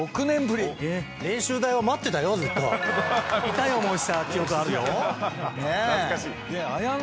痛い思いした記憶あるよ。